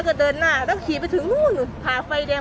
แกก็มาดื่นวนรถนี่แหละเดื่นไปดื่นมาแค่ก็้มอง